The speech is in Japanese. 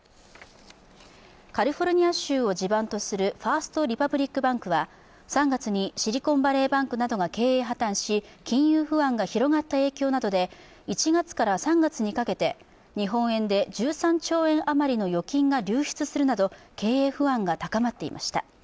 カリフォルニア州を地盤とするファースト・リパブリック・バンクは３月にシリコンバレー・バンクなどが経営破綻し、金融不安が広がった影響などで１月から３月にかけて、日本円で１３兆円余りの預金が流出するなど、経営不安が高まっていました。